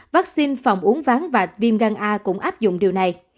vaccine phòng uống ván và viêm gan a cũng áp dụng điều này